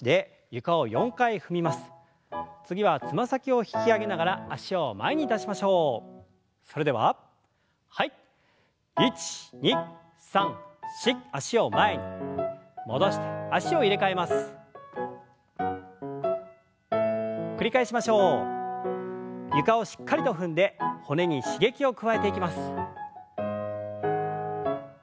床をしっかりと踏んで骨に刺激を加えていきます。